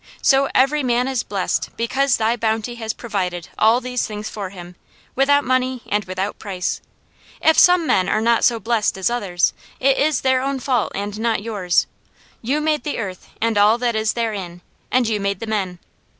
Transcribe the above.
So every man is blessed, because Thy bounty has provided all these things for him, without money and without price. If some men are not so blessed as others, it is their own fault, and not Yours. You made the earth, and all that is therein, and You made the men.